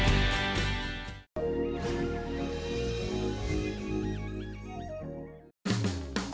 ini adalah barang barang yang terbuka